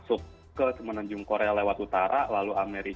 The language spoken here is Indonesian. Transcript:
tapi bagaimana jika orang yang untuk ini